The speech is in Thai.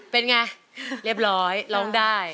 เป็นไงเรียบร้อยร้องได้